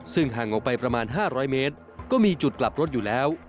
ซึ่งห่างออกไปประมาณ๕๐๐เมตรก็มีจุดกลับรถอยู่แล้ว